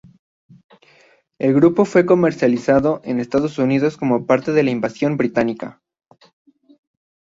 El grupo fue comercializado en Estados Unidos como parte de la Invasión británica.